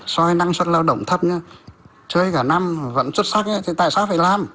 so với năng suất lao động thấp chơi cả năm vẫn xuất sắc thì tại sao phải làm